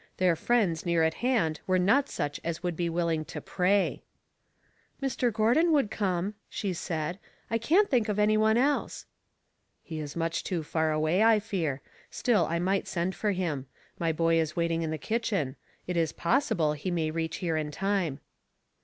Their friends near at hand were not such as would be willing to pray. " Mr. Gordon would come," she said. " I can't think of any one else." "He is much too far away, I fear; still 1 might send for him. My boy is waiting in the kitchen ; it is possible he may reach here in time."